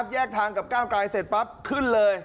แยกทางกับก้าวกลายเสร็จปั๊บขึ้นเลย